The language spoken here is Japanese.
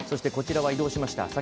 こちらは、移動しました。